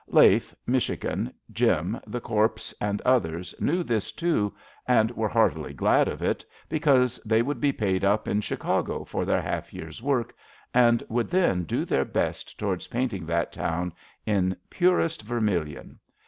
Laf e, Michigan, Jim, The Corpse and the others knew this too, and were heartily glad of it, because they would be paid up in Chicago for their half year's work, and would then do their best towards painting that town in purest ver milion.